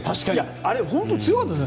あれ、本当に強かったんです。